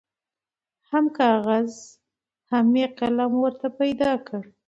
هم کاغذ هم یې قلم ورته پیدا کړ